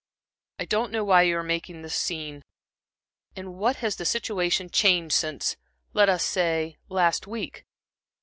"I don't know why you are making this scene. In what has the situation changed since let us say, last week?